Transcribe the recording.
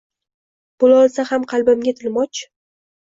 Bo’lolsa ham qalbingga tilmoch